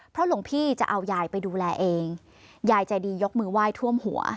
เพราะหลวงพี่จะเอายายไปดูแลเองยายใจดียกมือไหว้ท่วมหัว